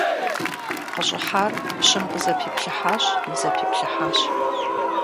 КъыщӀыхьар пщым къызэпиплъыхьащ, нызэпиплъыхьащ.